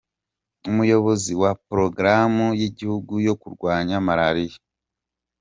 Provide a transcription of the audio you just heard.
Umuyobozi wa Porogaramu y’Igihugu yo kurwanya Malaria, Dr.